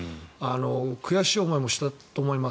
悔しい思いもしたと思います。